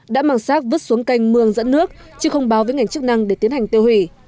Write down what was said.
đã mang sát vứt xuống canh mương dẫn nước chứ không báo với ngành chức năng để tiến hành tiêu hủy